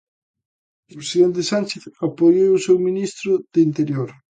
O presidente Sánchez apoiou o seu ministro de Interior.